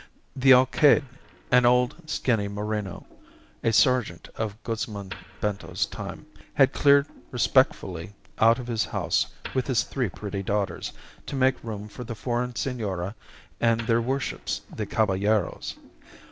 The alcalde an old, skinny Moreno, a sergeant of Guzman Bento's time had cleared respectfully out of his house with his three pretty daughters, to make room for the foreign senora and their worships the Caballeros.